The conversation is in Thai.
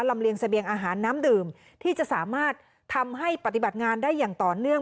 เลียงเสบียงอาหารน้ำดื่มที่จะสามารถทำให้ปฏิบัติงานได้อย่างต่อเนื่อง